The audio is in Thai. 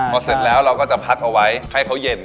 พอเสร็จแล้วเราก็จะพักเอาไว้ให้เขาเย็น